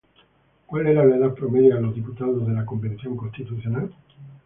¿Cuál era la edad promedia de los diputados de la Convención Constitucional?